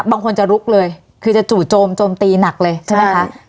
บางคนจะลุกเลยคือจะจู่โจมโจมตีหนักเลยใช่ไหมคะ